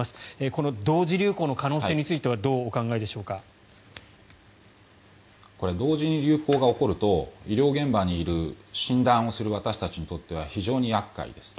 この同時流行の可能性についてはこれは同時に流行が起こると医療現場にいる診断をする私たちにとっては非常に厄介です。